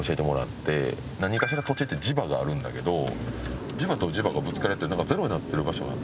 何かしら土地って磁場があるんだけど磁場と磁場がぶつかり合ってゼロになってる場所があって。